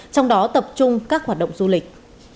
trong đó tập trung các hoạt động du lịch